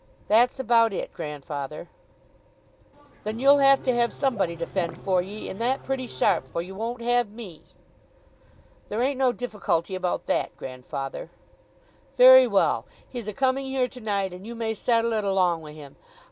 "That's about it, grandfather." "Then you'll have to have somebody to fend for ye, and that pretty sharp, for you won't have me." "There ain't no difficulty about that, grandfather." "Very well. He's a coming here to night, and you may settle it along wi' him.